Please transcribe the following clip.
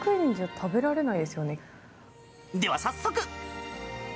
では、早速。